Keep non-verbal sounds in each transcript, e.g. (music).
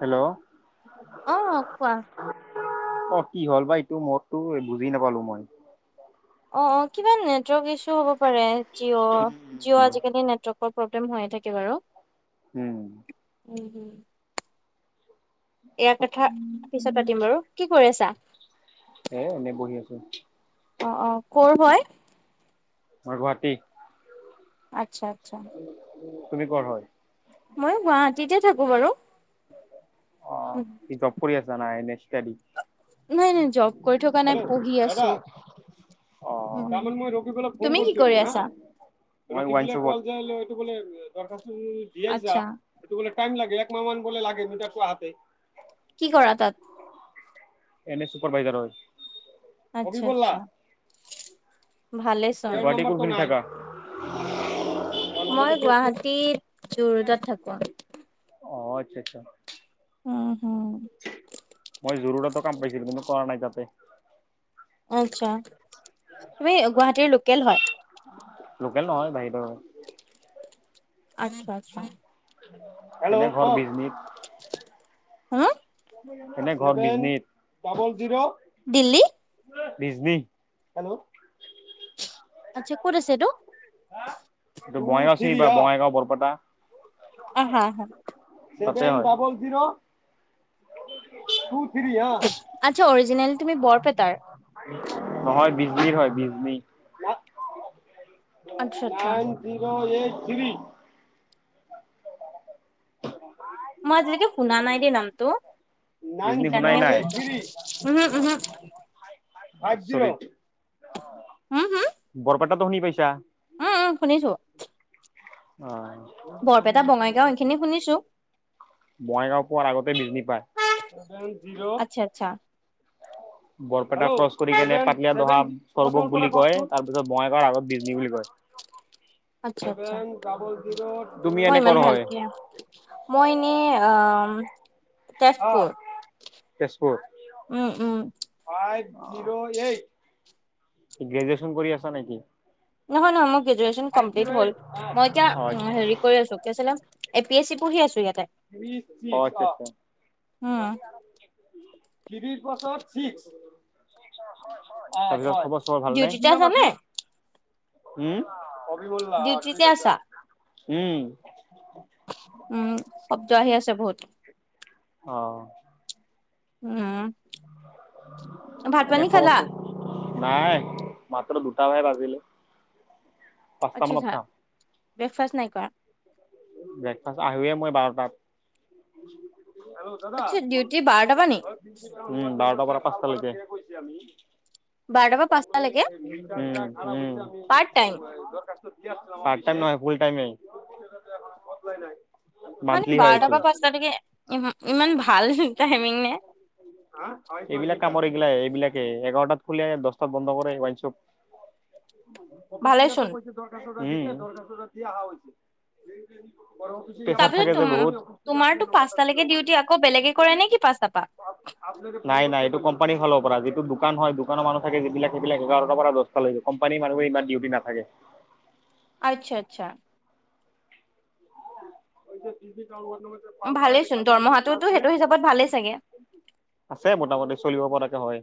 Hello. অ কোৱা অ', কি হ'ল বা এইটো মততো বুজি নাপালো মই। অ', অ', কিমান নেটৱৰ্ক ইছ্যু হব পাৰে জিঅ' জিঅ' আজিকালি নেটৱৰ্কৰ প্ৰব্লেম হৈয়ে থাকে বাৰু। উম। উম হম। এয়া কথা, পিছত পাতিম বাৰু, কি কৰিছা? এ এনেই বহি আছো। অ' অ', কৰ হয়? মই গুৱাহাটী, আচ্ছা আচ্ছা তুমি কৰ হয়? মই গুৱাহাটীতে থাকো বাৰু। অ জব কৰি আছা নাই নে ইচতাদি? নাই নাই জব কৰি থকা নাই পঢ়ি আছোঁ। অহ, তাৰমানে মই ৰকিবুলক ফোন তুমি কি কৰি কৰিছিলোঁ আছা হা। মই ৱাইন শ্বপত। (unintelligible) দিয়াই চা। আচ্ছা (unintelligible) এইটো বোলে টাইম লাগে। এক মাহ মান বোলে লাগে মিটাৰটো আহোঁতে। কি কৰা তাত? এনে চুপাৰ ভাইজাৰ হয়। অবি আচ্ছা বল আচ্ছা থ। ভালেই চোন গুৱাহাটি কত থাকা? (unintelligible) (unintelligible) মই গুৱাহাটীৰ জুৰোডত থাকো। অ আচ্ছা আচ্ছা। উম হোম। মই যোৰহাট কাম পাইছিলো। কিন্তু কৰা নাই তাতে। আচ্ছা, তুমি গুৱাহাটীৰ লোকেল হয়? লোকেল নহয় বাহিৰৰ হয়। আজি (unintelligible) হেল্ল' কৱক? মোৰ ঘৰত বিজনিত হা? এনে ঘৰ বিজনিত। দিল্লী। ডিজনি, হেল্ল' আচ্ছা, ক'ত আছে এইটো? সেইটো বঙাইগাঁও চিনি পায়? বঙাইগাঁও বৰপেটা? আহা আহা। তাতে আৰু। (unintelligible) (unintelligible) আচ্ছা অৰিজিনেল তুমি বৰপেটাৰ? নহয়, বিজনিৰ হয় বিজনি। আচ্ছা আচ্ছা। Zero eight three. মই আজিলৈকে শুনা নাই দেই নামটো, বিজনী শুনাই সেইকাৰণেহে নাই সুধিছো। উমহো উমহো। ফাইপ জিৰ', উম হু বৰপেটাটো শুনি পাইছা? উম উম শুনিছোঁ। অহ। শুনিছোঁ বঙাইগাঁও পোৱাৰ আগতে বিজনী পাই। চেভেন জিৰ' আচ্ছা আচ্ছা। (unintelligible) বৰপেটা ক্ৰছ কৰি কেনে পাটলা ধহা স্বৰগম বুলি কয় তাৰপিছত বঙাইগাঁৱৰ আগত বিজনী বুলি কয়। আচ্ছা আচ্ছা। তুমি এনে কৰ হয়? অ, মই এনেই আ উম অ, তেজপুৰ। উম উম ফাইভ জিৰ' এইট, গ্ৰেজুৱেচন কৰি আছা নেকি? নহয় নহয় মোৰ গ্ৰেজুৱেচন কমপ্লিট হ'ল। মই এতিয়া অ উম হেৰী কৰি আছোঁ কি আছিলে এ পি এচি পঢ়ি আছোঁ ইয়াতে। (unintelligible) (unintelligible) উম ছিক্স ডিউটিতে আছা নে? (unintelligible) ডিউটিতে আছা? (unintelligible) উম উম শব্দ আহি আছে বহুতো অ উম ভাত পানী খালা দেখাবচোন নাই মাত্ৰ দুটাহে বাজিলে পাঁচটা আচ্ছা মানত আচ্ছা খাম ব্ৰেকফাষ্ট নাই কৰা ব্ৰেকফাষ্ট আহৱে মই বাৰটাত আচ্ছা ডিউটি বাৰটা পৰা নি উম বাৰটাৰ পৰা পাঁচটালৈকে বাৰটাৰ পৰা পাঁচটালৈকে পাৰ্ট টাইম (unintelligible) (unintelligible) নহয় ফুল টাইমে (unintelligible) মানে মান্থলি হয় বাৰটাৰ এইটো। বা পাঁচটালৈকে ই ইমান ভাল টাইমিং নে এইবিলাক কামৰ এইগিলা এইবিলাকে এঘাৰটাত খুলি দহটাত বন্ধ কৰে ৱাঞ্চব (unintelligible) (unintelligible) প্ৰেছাৰ তাৰ পিছত থাকে যে তুম বহুত। তোমাৰতো পাঁচটালৈকে ডিউটি আকৌ বেলেগে কৰে নে কি পাঁচটা পা (unintelligible) নাই নাই এইটো কোম্পানী ফালৰ পৰা যিটো দোকান হয় দোকানৰ মানুহ থাকে যিবিলাক সেইবিলাক এঘাৰৰ পৰা (unintelligible) কোম্পানী মানুহে ইমান ডিউটি নাথাকে আচ্ছা আচ্ছা (unintelligible) ভালেই চোন দৰমহাটো সেইটো হিচাপত ভালেই চাগে আছে মোটামুটি চলিব পৰাকে হয়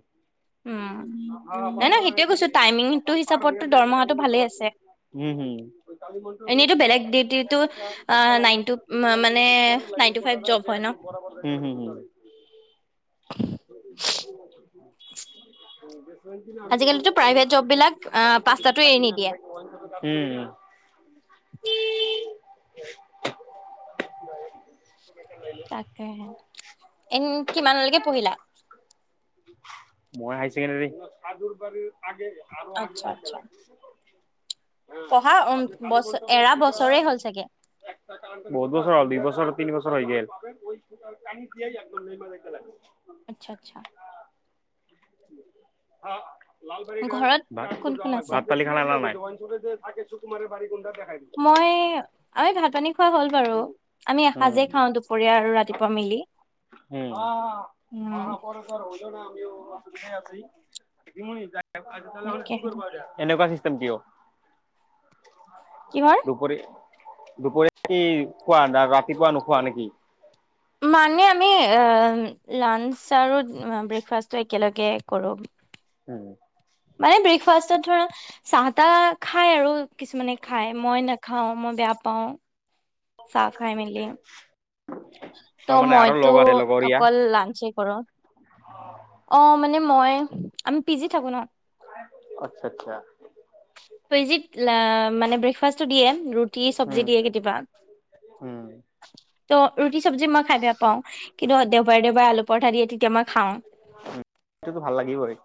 উম নাই নাই সেইটোয়ে কৈছো টাইমিংটো হিচাপততো দৰমহাটো ভালেই (unintelligible) আছে উম হম কালি এনেইতো বেলেগ ডিউটিটো নাইন টু (unintelligible) মানে নাইন টু ফাইভ জব হয় ন উম হুম হুম (unintelligible) আজিকালিতো (unintelligible) প্ৰাইভেট জব বিলাক আহ পাঁচটাতো এৰি নিদিয়ে। (unintelligible) তাকেহে এ কিমানলৈকে পঢ়িলা মই হায় ছেকেন্দেৰি আগে আৰু আগে আচ্ছা আহিব আচ্ছা লাগে পঢ়া ওম বছৰ এৰা বছৰে হ'ল চাগে বহুত বছৰ হ'ল দুই বছৰ তিনি বছৰ হৈ গল (unintelligible) আচ্ছা আচ্ছা ঘৰত কোন কোন (unintelligible) আছে? (unintelligible) মই আ ভাত পানী খোৱা হ'ল বাৰু আমি উম, এসাঁজেই খাওঁ দুপৰীয়া আৰু ৰাতিপুৱা মিলি (unintelligible) (inaudible) উম তাকেহে। এনেকুৱা চিষ্টেম কিয় কিহৰ? দুপৰ দুপৰীয়া কি খোৱাা ৰাতিপুৱা নোখোৱা নেকি মানে আমি লাঞ্চ আৰু ব্ৰেকফাষ্টটো একেলগে কৰোঁ উম মানে ব্ৰেকফাষ্টত ধৰা চাহ তাহ খাই আৰু কিছুমানে খাই মই নাখাওঁ মই বেয়া পাওঁ অ চাহ খাই কৰি মেলি। ত' মইতো লগৰীয়া অকল লাঞ্চেই কৰো অ মানে মই আমি পি জি থাকো ন আচ্্চা আচ্ছা তজিত মানে ব্ৰেকফাষ্টটো দিয়ে ৰুটি চব্জি উম, দিয়ে উম, ত' ৰুটি চব্জি মই খাই বেয়া পাও কিন্তু দেওবাৰে দেওবাৰে আলু পৰঠা দিয়ে তেতিয়া মই খাওঁ উ সেইটোো ভাল লাগিবই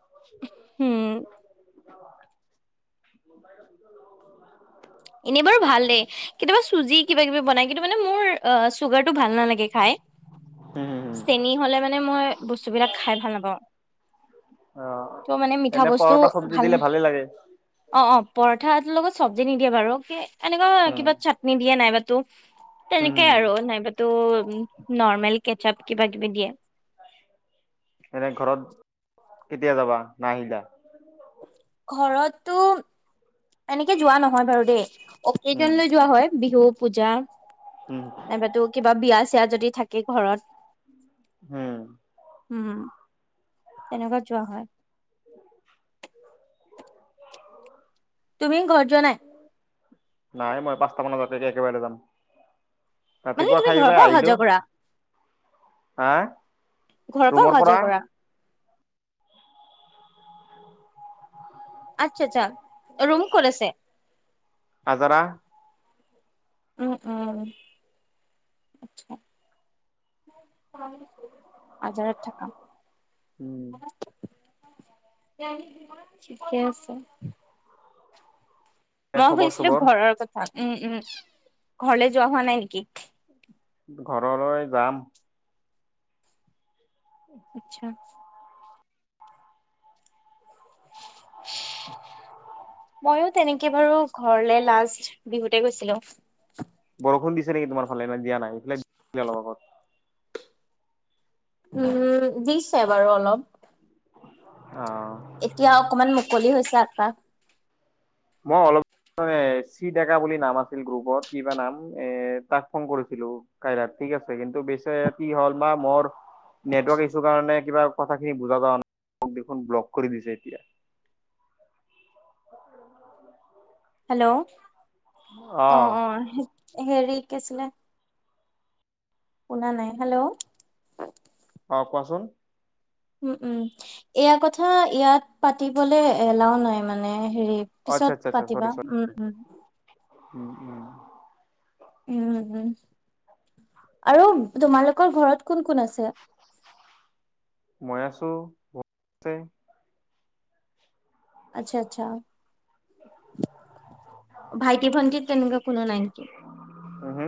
উম বাই এনেই বাৰু ভালেই কেতিয়াবা চুজি কিবা কিবি বনাই কিন্তু মানে মোৰ অ চুগাৰ টো ভাল নালাগে খাই উম, হুম, হুম। চেনী হ'লে মানে মই বস্তুবিলাক খাই ভাল নাপাওঁ অ ত' মানে মিঠা এনে বস্তু পৰঠা চব্জি ভাল দিলে ভালে লাগে অ অ পৰঠাটোৰ লগত চব্জি নিদিয়ে বাৰু কি এনেকুৱা উম, কিবা নিদিয়ে নাইবাতো তেনেকে উম, আৰু নাইবাো উ নৰ্মেল কেচআপ কিবা কিবি দিয়ে এনে ঘৰত কেতিয়া যাবা নাহিলা ঘৰতটো এনেকে যোৱা নহয় বাৰু দেই উম, অকেজন লৈ যোৱা হয় বিহু পূজা উম, নাইবাতো কিবা বিয়া চয়া যদি থাকে ঘৰত হম উম তেনেকুৱা যোৱা হয় (unintelligible) তুমি ঘৰ য নাই নাই মই পাঁটা মানজাতকে একেবাৰেলৈ যাম মানে ৰাতিপুৱা তুমি ঘৰৰ খাইিবা পৰা অহা আহিলো যোৱা কৰা হ ঘৰৰ অহা ৰুমৰ পৰা যোৱা কৰা আচ্ছা আচ্ছা ৰুম ক আছে আজৰা উম উম আচ্ছা আজাৰত থাকা উম ঠিকে আছে। এ মই খবৰ শুিছিলো চবৰ ঘৰৰ কথা উম', উম, ঘৰলে যোৱা হোৱা নাই নেকি? ঘৰলৈ যাম। উ (unintelligible) আচ্ছা (unintelligible) মইও তেনেকে বাৰু ঘৰলে লাষ্ট বিহুতে গৈছিলো বৰষুণ দিছে নেকি তোমাৰ ফালে ন দিয়া নাই সফে অলপ আগত উম, দিছে বাৰু অলপ অ এতিয়া অকমান মুকলি হৈছে আকাশ মই অলপ ম চি ডেকা বুলি নাম আছিল গ্ৰুপত কিবা নাম এ তাক ফোন কৰিছিলো কাইৰা ঠিক আছে কিন্তু বেচ কি হল বা মৰ নেটৱৰ্ক ইছু কাৰণে কিবা কথাখিনি বুজা যা দেখোন ব্লক কৰি দিছে এতিয়া (unintelligible) হেল্ল' অ অ হেৰি কি আছিলে শুনা নাই হেল্ল' অ' কোৱাচোন উম', উম, এয়া কথা ইয়াত পাতিবলে এলাও নাই মানে হেৰি পিছত পাতিবা উম', উম উম', উম উম', উম, আৰু তোমালোকৰ ঘৰত কোন কোন আছে মই আছো আছে আচ্ছা আচ্ছা ভাইটি ভনতি তেনেকে কোনো নাই নেকি উহু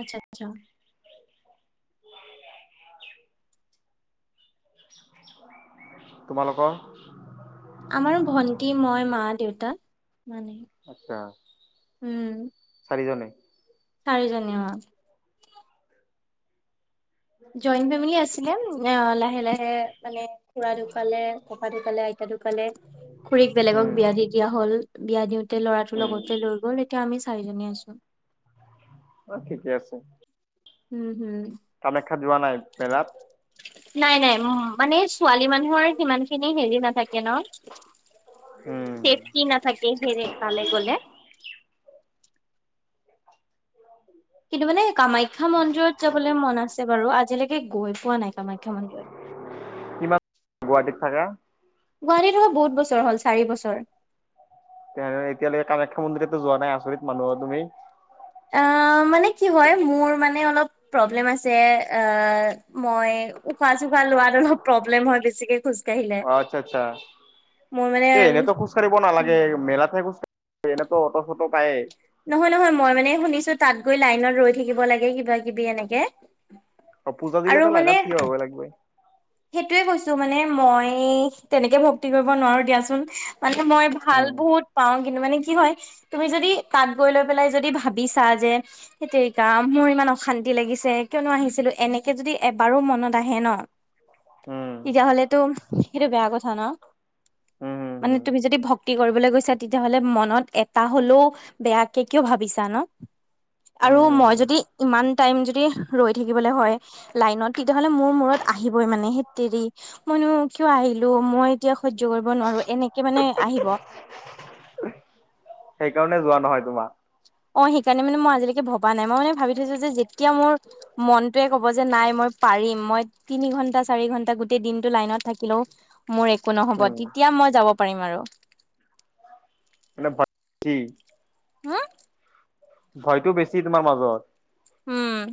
আচ্ছা আচ্ছা তোমালোকৰ আমাৰ ভন্টি মই মা দেউতা সিমানেই আচ্ছা চাৰিজনে চাৰিজনী উম', জইণ্ট ফেমিলি আছিলে অ' লাহে লাহে মানে খুৰা ঢোকালে ককা ঢোকালে আইতা ঢোকালে খুৰীক বেলেগক উম বিয়া দি দিয়া হল বিয়া দিওঁতে ল'ৰাটো লগতে উম লৈ গ'ল এতিয়া আমি চাৰি জনে আছো অ' ঠিকে আছে উম', হুম কামাখ্যাত যোৱা নাই মেলাত নাই নাই মানে ছোৱালী মানুহৰ সিমান খিনি হেৰি ন থাকে উম ন' চেফতি নাথাকে হে তালে গ'লে কিন্তু মানে কামাখ্যা মন্দিৰত যাবলৈ মন আছে বাৰু আজিলৈকে সেই গৈ পোৱা নাই কামাখ্যা মন্দিৰত কিমান গুৱাহাটীত থাকা গুৱাহাটীত অহা বহুত বছৰ হ'ল চাৰি বছৰ। তে এতিয়ালৈকে কামখ্যা মন্দিৰতো যোৱা নাই আচৰিত মানুহ তুমি অ' মানে কি হয় মোৰ মানে অলপ প্ৰব্লেম আছে অ' মই উশাহ চুখাহ লোৱাত অলপ প্ৰব্লেম হয় বেছিকে খোজ অ' আচ্ছা আচ্ছা মানে কে এনেকে খুচকাঢ়িব নেলাগে উম মেলা থাক খুচকা এনেতো অট চটো পায়ে নহয় নহয় মই মানে শুনিছো তাত গৈ লাইনত ৰৈ থাকিব লাগে কিবা কিবি এনেকে অ' পূজা দিলে আৰু ত' মানে লাইনত থিয় হব লাগিবৈ। সেইটোয়ে কৈছো মানে মই তেনেকে ভক্তি কৰিব নোৱাৰো দিয়াচোন। মানে মই ভাল উম বহুত পাওঁ কিন্তু মানে কি হয় তুমি যদি তাত গৈ লৈ পেলাই যদি ভা বিছা যে হেইত তেৰিকা মোৰ ইমান অশান্তি লাগিছে। কিয়নো আহিছিলো এনেকৈ যদি এবাৰো মনত আহে ন। উম তেতিয়াহলেতো সেইটো বেয়া কথা ন? উম হুম মানে হুম তুমি যদি ভক্তি কৰিবলৈ গৈছা তেতিয়াহ'লে মনত এটা হলেও বেয়াকে কিয় ভাবিছা ন আৰু উম হুম মই যদি ইমান তাইম যদি ৰই থাকিবলে হয় লাইনত তেতিয়াহলে মো আহিবই মানে হেততেৰি মইনো কিয় আহিলো মই এতিয়া সহ্য কৰিব নোৱাৰো এনেকে মানে আহিব। সেইকাৰণে যোৱা নহয় তোমাৰ। অ' সেইকাৰণে মানে মই আজিলৈকে ভবা নাই মই মানে ভাবি থৈছোঁ যেতিয়া মোৰ মনটোৱে ক'ব যে নাই মই পাৰিম মই তিনি ঘন্টা চাৰি ঘন্টা গোটেই দিনটো লাইনত থাকিলেও মোৰ একো নহ'ব উম তেতিয়া মই যাব পাৰিম আৰু। মানে ভক্তি হো? ভয়তো বেছি তোমাৰ মাজত। উম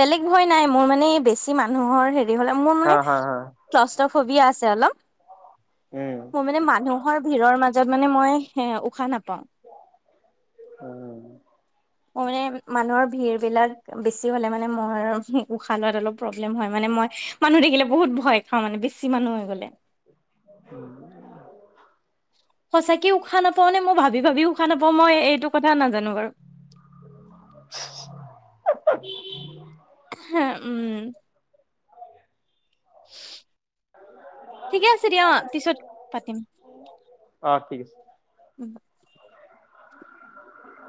বেলেগ ভয় নাই মোৰ মানে বেছি মানুহৰ হেৰি হলে মোৰ হা মানে হা হা ক্লাস্টোফোবিয়া আছে অলপ। উম। মই মানে মানুহৰ ভিৰৰ মাজত মানে মই উশাহ নাপাওঁ। উম। অ মানে মানুহৰ ভিৰ বিলাক বেছি হ'লে মানে মই উশাহ লোৱাত অলপ প্ৰব্লেম হয় মানে মই মানুহ দেখিলে বহুত ভয় খাও মানে বেছি মানুহ হৈ গ'লে। (inaudible) সঁচাকে উশাহ নাপাওঁ নে মই ভাবি ভাবি উশাহ নাপাওঁ মই এইটো কথা নাজানো বাৰু। (inaudible) হে, উম। ঠিকে আছে দিয়া অঁ পিছত পাতিম। অ ঠিক আছে। (inaudible)